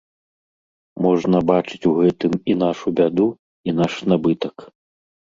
Можна бачыць у гэтым і нашу бяду, і наш набытак.